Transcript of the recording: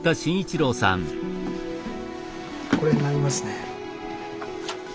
これになりますね。